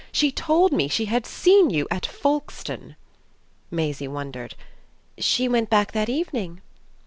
She told me she had seen you at Folkestone." Maisie wondered. "She went back that evening?"